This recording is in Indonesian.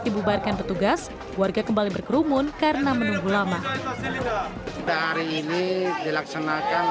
dibubarkan petugas warga kembali berkerumun karena menunggu lama dari ini dilaksanakan